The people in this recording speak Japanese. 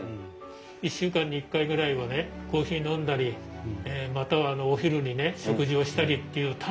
１週間に１回ぐらいはねコーヒー飲んだりまたはお昼に食事をしたりっていう楽しみができましたよね。